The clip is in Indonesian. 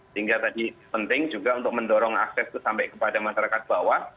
sehingga tadi penting juga untuk mendorong akses itu sampai kepada masyarakat bawah